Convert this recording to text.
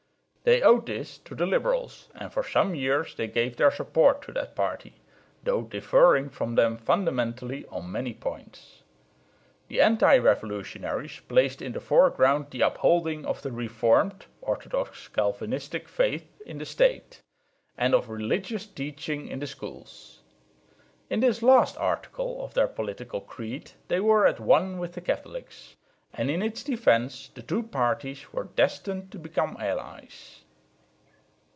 They owed this to the liberals, and for some years they gave their support to that party, though differing from them fundamentally on many points. The anti revolutionaries placed in the foreground the upholding of the Reformed (orthodox Calvinistic) faith in the State, and of religious teaching in the schools. In this last article of their political creed they were at one with the Catholics, and in its defence the two parties were destined to become allies.